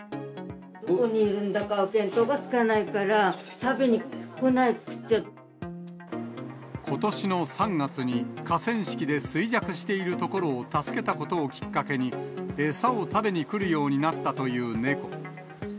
どこにいるんだか見当がつかことしの３月に、河川敷で衰弱しているところを助けたことをきっかけに、餌を食べに来るようになったという猫。